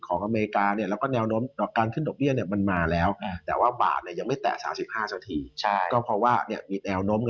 เพราะว่ามีแนวน้มเงินหลายคราวนี้แหละ